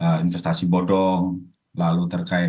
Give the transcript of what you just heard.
ada investasi bodong lalu terkait